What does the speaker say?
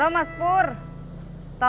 uh ga ada apa apa